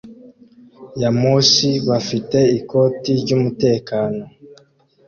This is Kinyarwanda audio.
ya moshi bafite ikoti ryumutekano